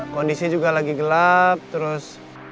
kondisi juga lagi gelap terus